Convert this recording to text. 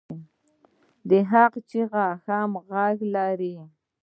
د حق چیغه هم غږ لري